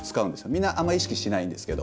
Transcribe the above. みんなあんまり意識しないんですけど。